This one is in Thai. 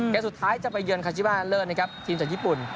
สุดท้ายจะไปเยือนคาชิมาเลิศนะครับทีมจากญี่ปุ่น